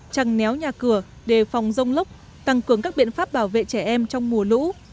trăng néo nhà cửa đề phòng rông lốc tăng cường các biện pháp bảo vệ trẻ em trong mùa lũ